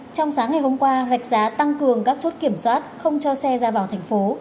trong sáng ngày hôm qua rạch giá tăng cường các chốt kiểm soát không cho xe ra vào thành phố